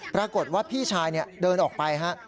ปรากฏว่าพี่ชายเดินออกไปฮะ